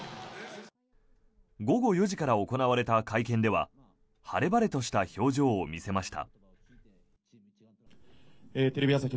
午後４時から行われた会見では晴れ晴れとした表情を見せました。